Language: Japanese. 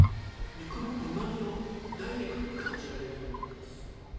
肉のうまみをダイレクトに感じられるようになってます。